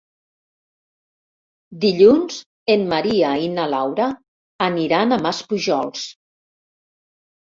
Dilluns en Maria i na Laura aniran a Maspujols.